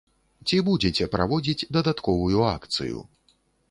Ці будзеце праводзіць дадатковую акцыю?